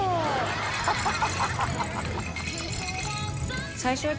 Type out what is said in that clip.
ハハハハハ！